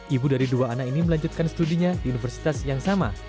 ibu dari dua anak ini melanjutkan studinya di universitas yang sama